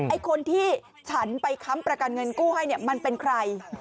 ไอ้คนที่ฉันไปค้ำประกันเงินกู้ให้เนี่ยมันเป็นใคร